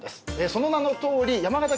その名のとおり。